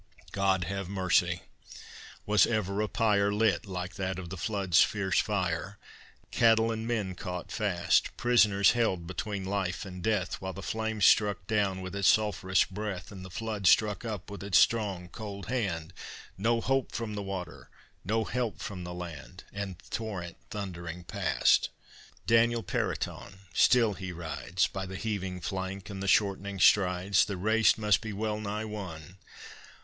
God have mercy! was ever a pyre Lit like that of the flood's fierce fire! Cattle and men caught fast, Prisoners held between life and death, While the flame struck down with its sulphurous breath, And the flood struck up with its strong, cold hand, No hope from the water, no help from the land, And the torrent thundering past! Daniel Periton, still he rides, By the heaving flank and the shortening strides, The race must be well nigh won.